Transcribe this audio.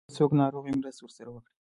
که څوک ناروغ وي مرسته ورسره وکړئ.